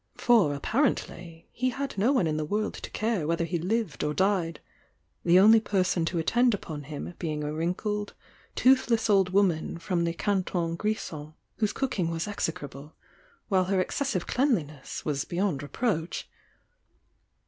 For, apparently, he had no one in the world to care whether he lived or died, the only person to attend upon him being a wrinkled, toothless old woman from the Canton Grisons, whose cooking was execrable, while her ex cessive cleanliness was beyond reproach.